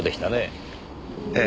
ええ。